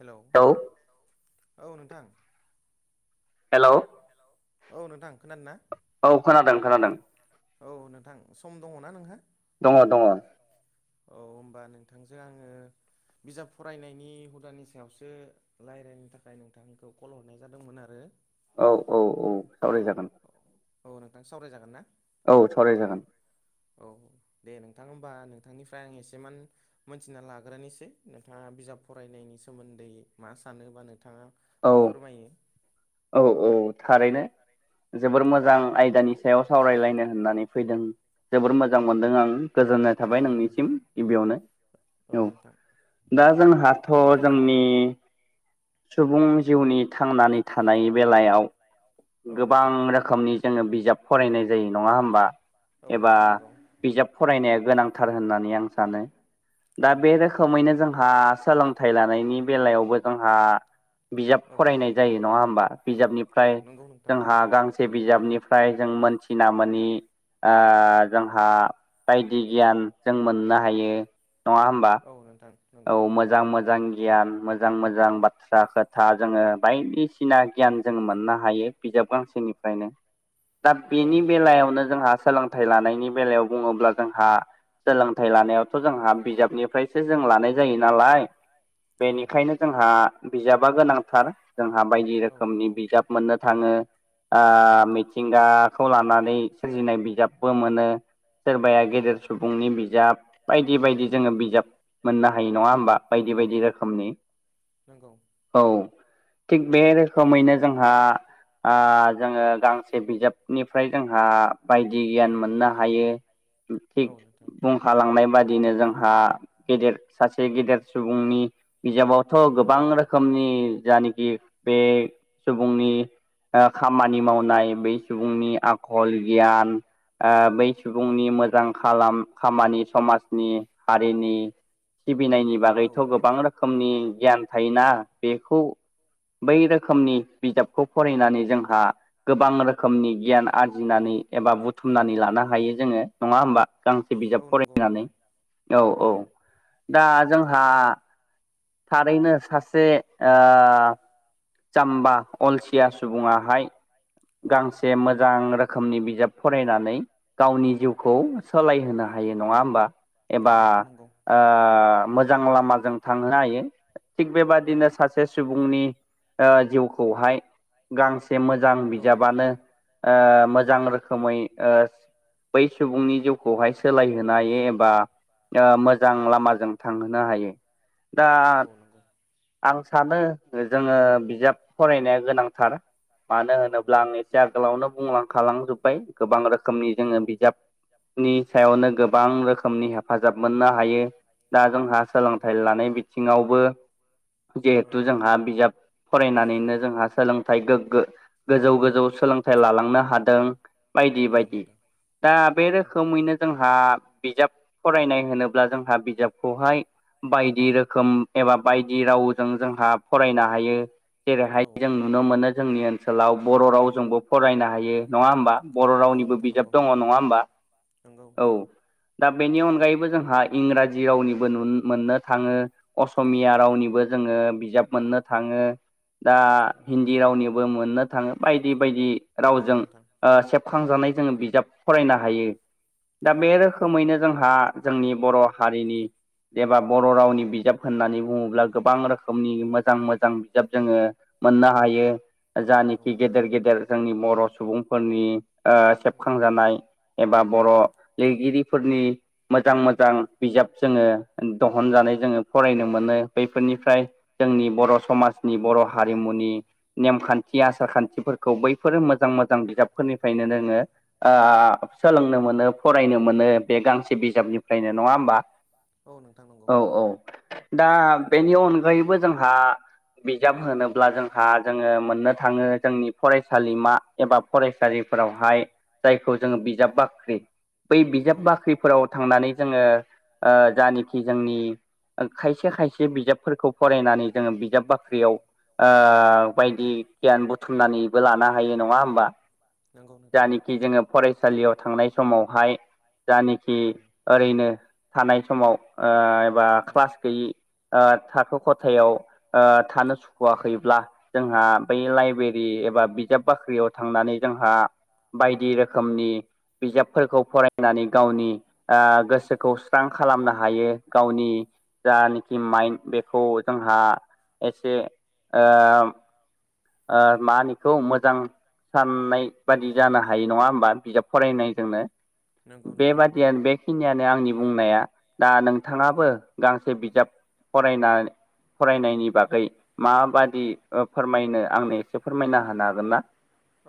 Hello औ नोंथां। Hello hello औ नोंथां खोनादों ना? औ खोनादों खोनादों। औ नोंथां सम दङना नोंहा दङ दङ। औ होनोमबा नोंथांजों आङो बिजाब फरायनायनि हुदानि सायावसो रायजलायनो थाखाय नोंथांखौ कल हरनाय जादोंमोन आरो औ औ औ सावरायजागोन। औ नोंथां सावरायजागोन ना? औ सावराय जागोन। औ दे नोंथां होमबा नोंथांनिफ्राय आं एसेमान मोनथिना लाग्रानोसै नोंथाङा बिजाब फरायनायनि सोमोन्दै मा सानोबा नोंथाङा मा फोरमायो औ औ थारैनो जोबोर मोजां आयदानि सायाव सावरायलायनो होननानै फैदों जोबोर मोजां मोनदों आं। गोजोननाय थाबाय नोंनिसिम गिबियावनो। औ दा जोंहाथ' जोंनि सुबुं जिउनि थांनानै थानाय बेलायाव गोबां रोखोम रोखोमनि जोङो बिजाब फरायनाय जायो नङा होमबा? एबा बिजाब फरायनाया गोनांथार होननानै आं सानो। दा बे रोखोमैनो जोंहा सोलोंथाइ लानायनि बेलायावबो जोंहा बिजाब फरायनाय जायो नङा होमबा बिजाबनिफ्राय जोंहा गांसे बिजाबनिफ्राय जों मोनथिना मोनि आ- जों आहा बायदि गियान जों मोननो हायो नङा होमबा? औ नोंथां। औ मोजां मोजां गियान मोजां मोजां बाथ्रा खोथा जोङो बायदि थिना गियान जों मोननो हायो बिजाब गांसेनिफ्रायनो दा बेनि बेलायावनो जोंहा सोलोंथाइ लानायनि बेलायाव बुङोब्ला जोंहा सोलोंथाइ लानायावथ' जोंहा बिजाबनिफ्रायसो जों लानाय जायो नालाय बेनिखायनो जोंहा बिजाबा गोनांथार जोंहा बायदि रोखोमनि बिजाब मोननो थाङो आ- मिथिंगा खौ लानानै सोरजिनाय बिजाबबो मोनो सोरबाया गेदेर सुबुंनि बिजाब बायदि बायदि जोङो बिजाब मोननो हायो नङा होमबा बायदि बायदि रोखोमनि नोंगौ। औ थिग बे रोखोमैनो जोंहा जोङो गांसे बिजाबनिफ्राय जोंहा बायदि गियान मोननो हायो। थिग बुंखालांनाय बादिनो जोंहा गेदेर सासे गेदेर सुबुंनि बिजाबावथ' गोबां रोखोम रोखोमनि जानिखि बे सुबुंनि ओ खामानि मावनाय बै सुबुंनि आखल गियान ओ बै सुबुंनि मोजां खालाम खामानि समाजनि हारिनि सिबिनायनि बागैथ' गोबां रोखोम खोमनि गियान थायोना बेखौ बै रोखोमनि बिजाबखौ फरायनानै जोंहा गोबां रोखोमनि गियाना आरजिनानै एबा बुथुमनानै लानो हायो जोङो नङा होमबा गांसे बिजाब फरायनानै औ औ दा जोंहा थारैनो सासे ओ जाम्बा अलसिया सुबुङा हाय गांसे मोजां रोखोमनि बिजाब फरायनानै गावनि जिउखौ सोलायहोनो हायो नङा होमबा औ नोंथां नोंगौ ओ मोजां लामाजों थांनो हायो थिग बेबादिनो सासे सासे सुबुंनि ओ जिउखौहाय गांसे मोजां बिजाबानो ओ मोजां रोखोमै ओ बै सुबुंनि जिउ खौहाय सोलायहोनो हायो एबा मोजां लामाजों थांहोनो हायो दा आं सानो जोङो बिजाब फरायनाया गोनांथार मानो होनोब्ला आं एसे आगोलावनो बुंलांखालांजोब्बाय गोबां रोखोमनि जोङो बिजाब नि सायावनो गोबां रोखोमनि हेफाजाब मोननो हायो दा जोंहा सोलोंथाइ लानाय बिथिङावबो जिहेथु जोंहा बिजाब फरायनानैनो जोंहा सोलोंथाइ गोग्गो गोजौ गोजौ सोलोंथाइ लालांनो हादों बायदि बायदि दा बे रोखोमैनो जोंहा बिजाब फरायनाय होनोब्ला जोंहा बिजाबखौहाय बायदि रोख खोम एबा बायदि रावजों जोंहा फरायनो हायो जेरैहाय जों नुनो मोनो जोंनि ओनसोलाव बर' रावजोंबो फरायनो हायो नङा होमबा बर' रावनिबो बिजाब दङ नङा होमबा औ दा बेनि अनगायैबो जोंहा इंराजि रावनिबो मोननो थाङो असमिया रावनिबो जोङो बिजाब मोननो थाङो दा हिन्दी रावनिबो मोननो थाङो बायदि बायदि रावजों ओ सेबखांजानाय जोङो बिजाब फरायनो हायो दा बे रोखोमैनो जोंहा जोंनि बर' हारिनि एबा बर' रावनि बिजाब होननानै बुङोब्ला गोबां रोखोमनि मोजां मोजां बिजाब जोङो मोननो हायो जानेखि गेदेर गेदेर जोंनि बर' सुबुंफोरनि ओ सेबखांजानाय एबा बर' लिरगिरिफोरनि मोजां -मोजां बिजाब जोङो दहनजानाय जोङो फरायनो मोनो। बैफोरनिफ्राय जोंनि बर' समाजनि बर' हारिमुनि नेमखान्थि, आसार खान्थिफोरखौ बैफोरो मोजां मोजां बिजाबफोरनिफ्रायनो रोङो आ सोलोंनो मोनो फरायनो मोनो बे गांसे बिजाबनिफ्रायनो नङा होमबा। औ नोंथां नंगौ। दा बेनि अनगायैबो जोंहा बिजाब होनोब्ला जोंहा जोङो मोननो थाङो जोंनि फरायसालिमा एबा फरायसालिफोरावहाय जायखौ जोङो बिजाब बाख्रि बै बिजाब बाख्रि फोराव थांनानै जोङो ओ जानेखि जोंनि खायसे खायसे बिजाबफोरखौ फरायनानै जोङो बिजाब बाख्रियाव ओ बायदि गियान बुथुमनानैबो लानो हायो नङा होमबा नंगौ नोंथां खि जोङो फरायसालियाव थांनाय समावहाय जानाखि ओरैनो थानाय समाव ओ एबा क्लास गैयै ओ थाखो खथायाव ओ थानो सुखुवाखैब्ला जोंहा बै लाइब्रेरि एबा बिजाब बाख्रियाव थांनानै जोंहा बायदि रोखोम रोखोमनि बिजाबफोरखौ फरायनानै गावनि गोसोखौ ्रां खालामनो हायो गावनि [unintelligible] जानखि माइन् बेखौ जोंहा एसे माोखौ मोजां [unintelligible] साननाय बादि जानो हायो नङा होमबा बिजाब फरायनायजोंनो बेबादियानो बे खिनियानो आंनि बुंनाया। दा नोंथाङाबो गांसे बिजाब फरायनानै फरायनायनि बागै माबादि फोरमायनो आंनो एसे फोरमायना होनो हागोन ना?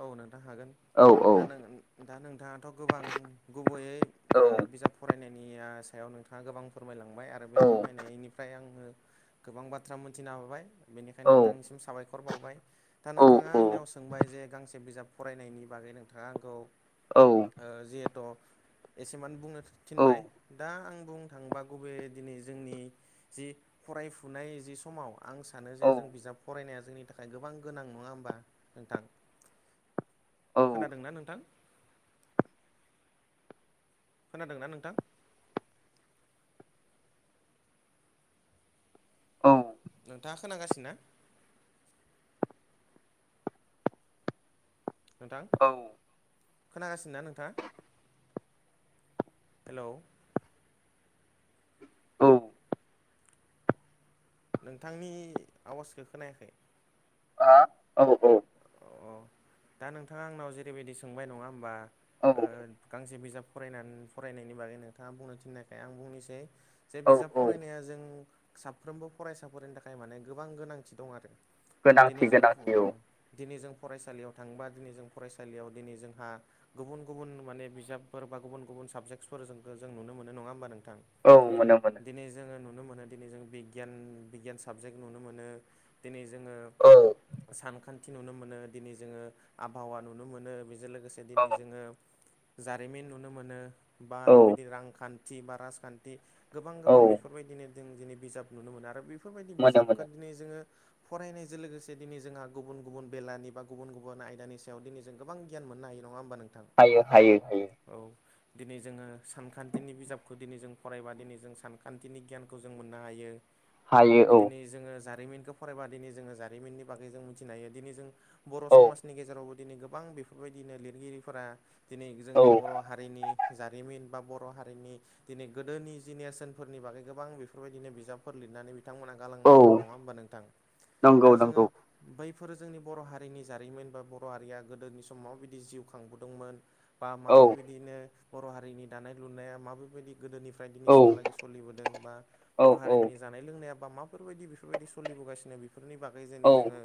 औ नोंथां हागोन दा नों दा नोंथाङाथ' गोबां गुबैयै बिजाब फरायनायनि सायाव नोंथाङा गोबां फोरमायलांबाय आरो बे फोरमायनायनिफ्राय आङो गोबां बाथ्रा मोनथिनो हाबाय। बेनिखायनो नोंथांनिसिम साबायखर बावबाय। दा नोंथाङा आंनियाव सोंबाय जे गांसे बिजाब फरायनायनि बागै नोंथाङा आंखौ जिहेथु एसेमान बुंनो थिनबाय। दा आं बुं थांबा गुबे दिनै जोंनि जि फरायफुनाय जि समाव आं सानो जे जों बिजाब फरायनाया जोंनि थाखाय गोबां गोनां नङा होमबा नोंथां। खोनादोंना नोंथां खोनादों न नोंथां? औ नोंथाङा खोनागासिनोना? नोंथां औ खोनागासिनो ना नोंथाङा? हेलौ? नोंथांनि आवाजखौ खोनायाखै। ह औ औ अ दा नोंथाङा आंनाव जेरैबायदि सोंबाय नङा होमबा गांसे बिजाब फरायनानै फरायनायनि बागै नोंथाङा बुंनो थिन्नायखाय आं बुंनोसै। जे बिजाब फरायनाया जों साफ्रोमबो फरायसाफोरनि थाखाय माने गोबां गोनांथि दं आरो। दिनै जोङो दिनै जों फरायसालियाव थांबा दिनै जों फरायसालियाव दिनै जोंहा गुबुन -गुबुन माने बिजाबफोर बा गुबुन -गुबुन साबजेक्टसफोर जों नुनो मोनो नङा होमबा नोंथां। औ मोनो, मोनो। दिनै जोङो नुनो मोनो दिनै जों बिगियान-बिगियान साबजेक्ट नुनो मोनो। दिनै जोङो सान खान्थि नुनो मोनो दिनै जोङो आबहावा नुनो मोनो बेजों लोगोसे दिनै जोङो जारिमिन नुनो मोनो बा बिबादि रांखान्थि बा राजखान्थि गोबां-गोबां बेफोरबायदिनो जों दिनै बिजाब नुनो मोनो आरो बेफोरबायदि बिजाबखौ दिनै जोङो फरायनायजों लोगोसे दिनै जोंहा गुबुन-गुबुन बेलानि बा गुबुन-गुबुन आयदानि सायाव दिन जों गोबां गियान मोननो हायो नङा होमबा नोंथां। हायो -हायो औ दिनै जोङो सानखान्थिनि बिजाबखौ दिनै जों फरायबा दिनै जों सानखान्थिनि गियानखौ जों मोननो हायो। दिनै जोङो जारिमिनखौ फरायबा दिनै जोङो जारिमिननि बागै जों मिथिनो हायो। दिनै जों बर' समाजनि गेजेरावबो दिनै गोबां बेफोरबायदिनो लिरगिरिफोरा दिनै जोंनि बर' हारि हारिनि जारिमिन बा बर' हारिनि दिनै गोदोनि जेनेरेसनफोरनि बागै गोबां बेफोरबायदिनो बिजाबफोर लिरनानै बिथांमोना गालांनाय दङ नङा होमबा नोंथां। दा जोङो बैफोरो जोंनि बर' हारिनि जारिमिन बा बर' हारिया गोदोनि समाव बादि जिउ खांबोदोंमोन। बा मा बिबादिनो बर' हारिनि दानाय लुनाया मा बिबादि गोदोनिफ्राय दिनैसिमहालागै स सोलिबोदों बा बर' हारिनि जानाय लोंनाया बा माफोरबायदि बेफोरबायदि सोलिबोगासिनो बेफोरनि बागै जेनै जोङो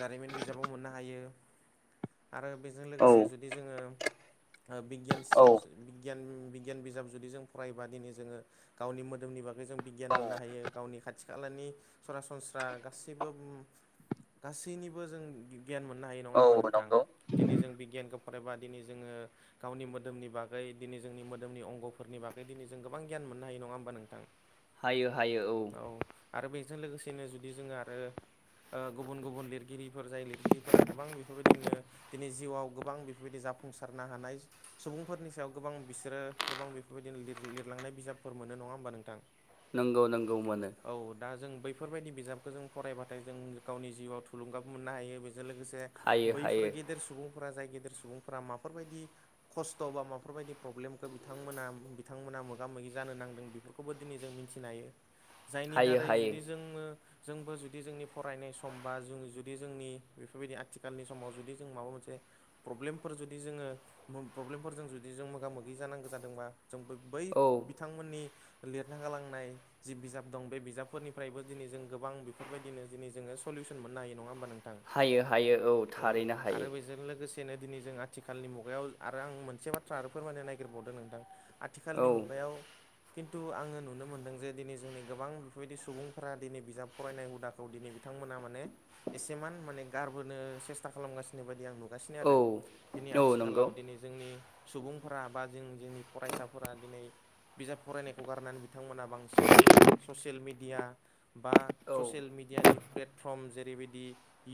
जारिमिन बिजाबाव मोननो हायो आरो बेजों लोगोसे जुदि जोङो ओ बिगियानस औ। बिगियान-बिगियान बिजाब जुदि जों फरायोबा दिनै जोङो गावनि मोदोमनि बागै जों बिगियान मोननो हायो गावनि खाथि खालानि सरासनस्रा गासैबो ओम गासैनिबो जों गियान मोननो हायो नङा होमबा नोंथां। दिनै जों बिगियानखौ फरायबा दिनै जोङो गावनि मोदोमनि बागै दिनै जोंनि मोदोमनि अंग'फोरनि बागै दिनै जों गोबां गियान मोननो हायो नङा होमबा नोंथां। हायो - हायो औ। आरो बेजों लोगोसेनो जुदि जोङो आरो गुबुन-गुबुन लिरगिरिफोर जाय लिरगिरिफोरा गोबां बेफोरबायदिनो दिनै जिउआव गोबां बेफोरबायदि जाफुंसारनो हानाय सुबुंफोरनि सायाव गोबां बिसोरो गोबां बेफोरबायदिनो लिर लिरलांनाय बिजाबफोर मोनो नङा होमबा नोंथां। नंगौ - नंगौ मोनो। औ दा जों बैफोरबायदि बिजाबखौ जों फरायबाथाय जों गावनि जिउआव थुलुंगाबो मोननो हायो बेजों लोगोसे बैफोर गेदेर सुबुं फोरा जाय गेदेर सुबुंफोरा माफोरबायदि खस्थ' बा माफोरबायदि प्रब्लेमखौ बिथांमोना - बिथांमोना मोगा मोगि जानो नांदों बेफोर खौबो दिनै जों मिथिनो हायो। जायनि दारै जुदि जोंमो जोंबो जुदि जोंनि फरायनाय स समबा जों जुदि जोंनि बेफोरबायदि आथिखालनि समाव जुदि जों माबा मोनसे प्रब्लेमफोर जुदि जोङो मोम प्रब्लेमफोरजों जुदि जों मोगा मोगि जानांगो जादोंबा जों बो बै बिथांमोननि लिरना गालांनाय जि बिजाब दं बे बिजाबफोरनिफ्रायबो दिनै जों गोबां बेफोरबायदिनो दिनै जोङो सलिउसन मोननो नङा होमबा नोंथां। औ आरो बेजों लोगोसे नो दिनै जों आथिखालनि मुगायाव आरो आं मोनसे बाथ्रा आरो फोरमायनो नागिरबावदों नोंथां। आथिखालनि मुगायाव खिन्थु आङो नुनो मोनदों जे दिनै जोंनि गोबां बेफोरबायदि सुबुंफोरा दिनै बिजाब फरायनाय हुदाखौ दिनै बिथांमोना माने एसेमान माने गारबोनो सेस्था खालामगासिनो नोबादि आं नुगासिनो आरो दिनै आथिखालाव दिनै जोंनि सुबुंफोरा बा जों जोंनि फरायसाफोरा दिनै बिजाब फरायनायखौ गारनानै बिथांमोना बांसिनै ससियेल मेडिया बा ससियेल मिडियानि प्लेटफर्म जेरैबायदि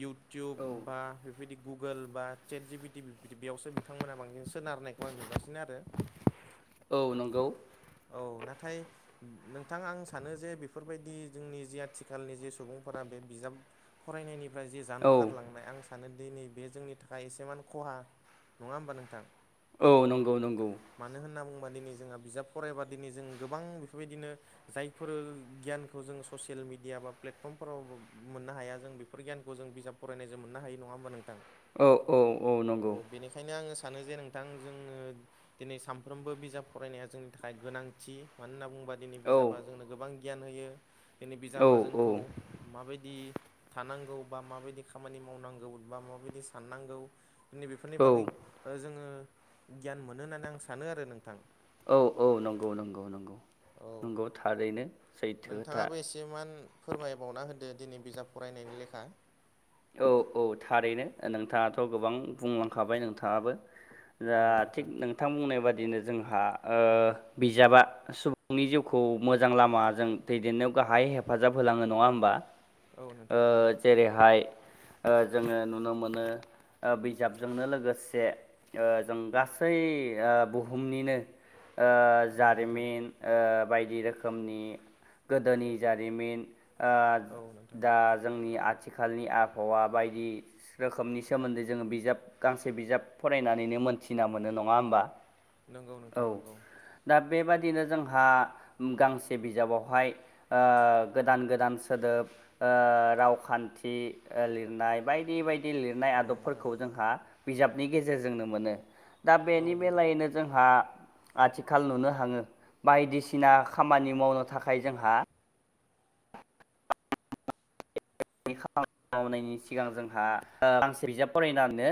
इउटुब बा बेबायदि गुगोल बा चेट जिबिटिदि बेयावसो बिथांमोना बांसिन सोनारनायखौ आं नुगासिनो आरो औ नंगौ। औ नाथाय नोंथाङा आं सानो जे बेफोरबायदि जोंनि जे आथिखालनि जे सुबुंफोरा बे बिजाब फरायनायनिफ्राय जे जानखारलांनाय आं सानो सानो दि नै बे जोंनि थाखाय एसेमान खहा नङा होमबा नोंथां। औ नंगौ - नंगौ। मानो होनना बुङोबा दिनै जोंहा बिजाब फरायबा दिनै जों गोबां बेफोरबायदिनो जायफोर गियानखौ जों ससियेल मिडिया बा प्लेटफर्मफोराव मोननो हाया जों बेफोर गियानखौ जों बिजाब फरायनायजों मोननो होयो नङा होमबा नोंथां। औ - औ - औ नंगौ। बेखायनो आङो सानो जे नोंथां जोङो दिनै सानफ्रोमबो बिजाब फरायनाया जों थाखाय गोनांथि मानो होनना बुङोबा दिनै बिजाबा जोंनो गोबां गियान होयो। दिनै बिजाबा जोंखौ माबायदि थानांगौ बा माबायदि खामानि मावनांगौ बा माबायदि साननांगौ दिनै बेफोरनि बागै जोङो गियान मोनो होननानै आं सानो आरो नोंथां। औ औ नंगौ नंगौ नंगौ नंगौ थारैनो। नोंथाङाबो एसेमान फोरमायबावना होदो दिनै बिजाब फरायनायनि लेखा औ औ थारैनो नोंथाङाथ' गोबां बुंलांखाबाय नोंथाङाबो दा थिग नोंथां बुंनाय बादिनो जोंहा ओ बिजाबा सुबुंनि जिउखौ मोजां लामाजों दैदेननायाव गाहाय हेफाजाब होलाङो नङा होमबा जेरैहाय जोङो नुनो मोनो बिजाबजोंनो लोगोसे जों गासै बुहुमनिनो जारिमिन बायदि रोखोमनि गोदोनि जारिमिन दा जोंनि आथिखालनि आबहावा बायदि रोखोमनि सोमोन्दै जोङो बिजाब गांसे बिजाब फरायनानैनो मोन्थिना मोनो नङा होमबा नंगौ नोंथां नंगौ दा बेबादिनो जोंहा गांसे बिजाबावहाय गोदान गोदान सोदोब रावखान्थि लिरनाय बायदि बायदि लिरनाय आदबफोरखौ जोंहा बिजाबनि गेजेरजों ननो मोनो दा बेनि बेेलायैनो जोंहा आथिखाल नुनो हाङो बायदिसिना खामानि मावनो थाखाय जोंहा खामानि मावनायनि सिगां जोंहा गांसे बिजाब फरायनानैनो